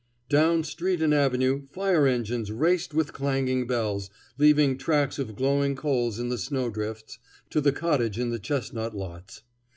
Down street and avenue fire engines raced with clanging bells, leaving tracks of glowing coals in the snow drifts, to the cottage in the chestnut lots.